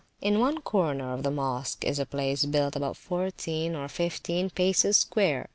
In one corner of the Mosque is a place, built about fourteen or fifteen paces square.